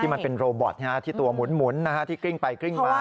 มันเป็นโรบอตที่ตัวหมุนที่กริ้งไปกริ้งมา